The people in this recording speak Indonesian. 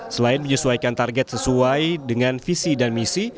selain menyesuaikan target sesuai dengan visi dan misi